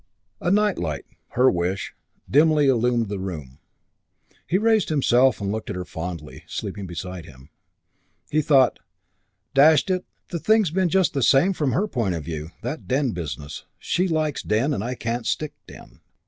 A night light, her wish, dimly illumined the room. He raised himself and looked at her fondly, sleeping beside him. He thought, "Dash it, the thing's been just the same from her point of view. That den business. She likes den, and I can't stick den.